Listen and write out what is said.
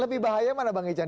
lebih bahaya mana bang ijang